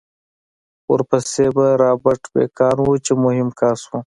ورپسې به رابرټ بېکان و چې مهم کس و